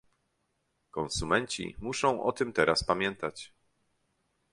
Konsumenci muszą o tym teraz pamiętać